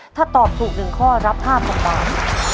ถ้าตอบถูก๑ข้อรับ๕๐๐๐บาท